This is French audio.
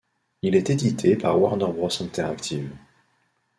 Il est édité par Warner Bros Interactive.